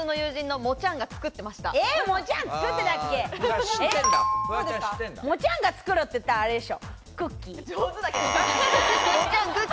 もっちゃんが作るって言ったら、あれでしょ？